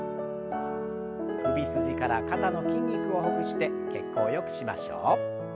首筋から肩の筋肉をほぐして血行をよくしましょう。